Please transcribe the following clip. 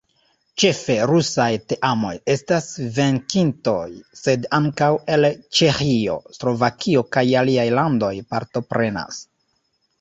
Ĉefe rusaj teamoj estas venkintoj, sed ankaŭ el Ĉeĥio, Slovakio kaj aliaj landoj partoprenas.